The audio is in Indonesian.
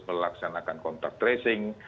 melaksanakan contact tracing